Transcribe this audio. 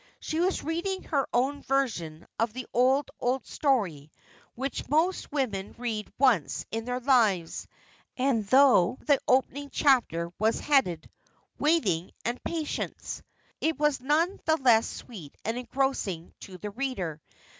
She was reading her own version of the old, old story, which most women read once in their lives; and though the opening chapter was headed "Waiting and Patience," it was none the less sweet and engrossing to the reader.